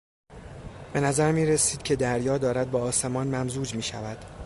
به نظر میرسید که دریا دارد با آسمان ممزوج میشود.